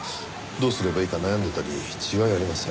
どうすればいいか悩んでいたに違いありません。